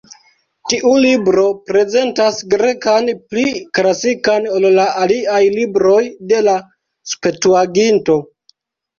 Tiu libro prezentas grekan pli klasikan ol la aliaj libroj de la Septuaginto.